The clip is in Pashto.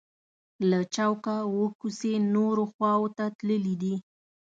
له چوکه اووه کوڅې نورو خواو ته تللي دي.